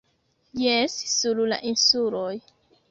Jes, sur la insuloj.